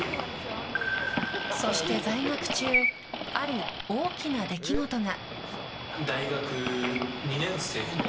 そして、在学中ある大きな出来事が。